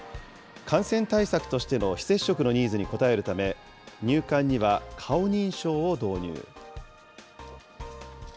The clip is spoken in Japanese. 感染対策としての非接触のニーズに応えるため、入館には顔認証を導入。